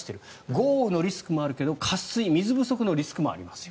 豪雨のリスクもあるけど渇水、水不足のリスクもある。